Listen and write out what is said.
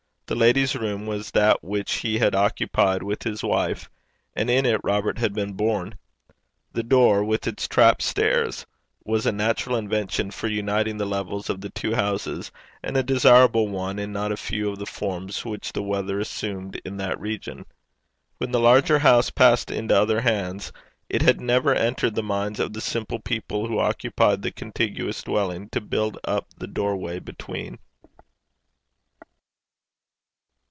The lady's room was that which he had occupied with his wife, and in it Robert had been born. The door, with its trap stair, was a natural invention for uniting the levels of the two houses, and a desirable one in not a few of the forms which the weather assumed in that region. When the larger house passed into other hands, it had never entered the minds of the simple people who occupied the contiguous dwellings, to build up the doorway between.